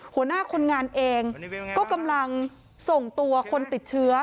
หัวหน้าคนงานเองก็กำลังส่งตัวคนติดเชื้อ